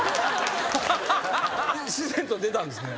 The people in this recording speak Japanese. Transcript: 自然と出たんですね。